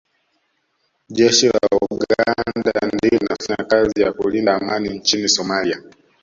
Jeshi la Uganda ndilo linafanya kazi ya kulinda Amani nchini Somalia